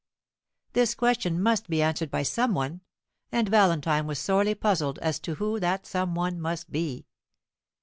This question must be answered by some one; and Valentine was sorely puzzled as to who that some one must be.